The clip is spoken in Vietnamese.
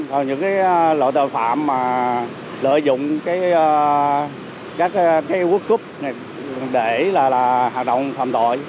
vào những loại tội phạm lợi dụng các quốc cúp để hạ động phạm tội